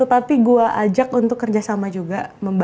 tapi gue ajak untuk kerjasama juga